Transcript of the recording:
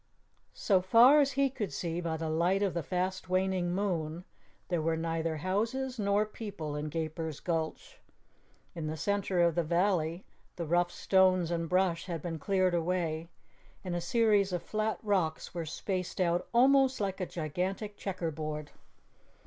So far as he could see by the light of the fast waning moon, there were neither houses nor people in Gaper's Gulch. In the center of the valley the rough stones and brush had been cleared away and a series of flat rocks were spaced out almost like a gigantic checker board.